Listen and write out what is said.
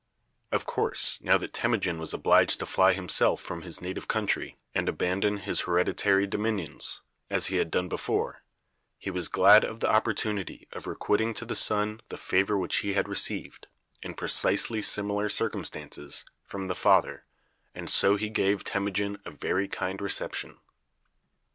Of course, now that Temujin was obliged to fly himself from his native country and abandon his hereditary dominions, as he had done before, he was glad of the opportunity of requiting to the son the favor which he had received, in precisely similar circumstances, from the father, and so he gave Temujin a very kind reception.